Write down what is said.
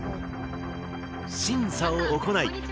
審査を行い